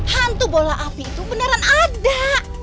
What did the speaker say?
hantu bola api itu beneran ada